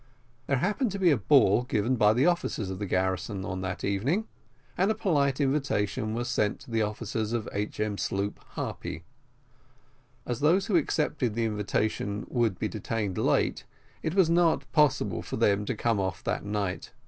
There happened to be a ball given by the officers of the garrison on that evening, and a polite invitation was sent to the officers of H.M. sloop Harpy. As those who accepted the invitation would be detained late, it was not possible for them to come off that night.